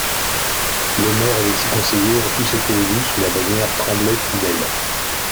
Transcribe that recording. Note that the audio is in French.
Le maire et les six conseillers ont tous été élus sous la bannière Tremblay-Trudel.